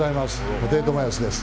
布袋寅泰です。